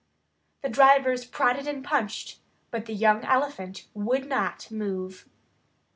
The drivers prodded and punched, but the young elephant would not move.